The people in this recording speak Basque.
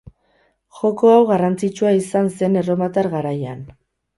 Joko hau garrantzitsua izan zen erromatar garaian.